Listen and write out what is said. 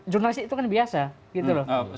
jurnalistik itu kan biasa gitu loh